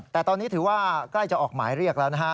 แต่ตอนนี้ถือว่าใกล้จะออกหมายเรียกแล้วนะฮะ